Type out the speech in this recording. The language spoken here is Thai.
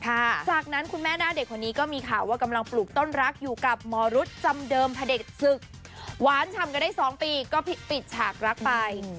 จากนั้นคุณแม่หน้าเด็กคนนี้ก็มีข่าวว่ากำลังปลูกต้นรักอยู่กับหมอรุธจำเดิมพระเด็กศึกหวานฉ่ำกันได้สองปีก็ปิดฉากรักไป